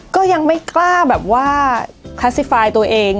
ก็ยังไม่กล้าแบบว่าคลาสสิไฟล์ตัวเอง